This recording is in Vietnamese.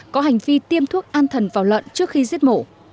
có hành vi tiêm thuốc an thần vào lợn trước khi giết mổ